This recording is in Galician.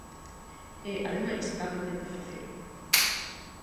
E, ademais, páganme por facelo.